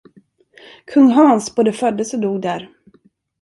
Kung Hans både föddes och dog där.